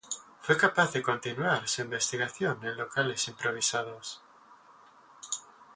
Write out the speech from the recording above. Fue capaz de continuar su investigación en locales improvisados.